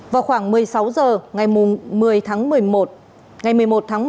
vào khoảng một mươi sáu h ngày một mươi tháng một mươi một